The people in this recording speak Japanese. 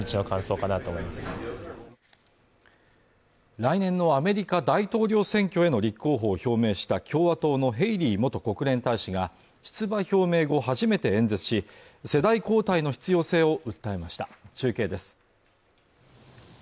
来年のアメリカ大統領選挙への立候補を表明した共和党のヘイリー元国連大使が出馬表明後初めて演説し世代交代の必要性を訴えました中継です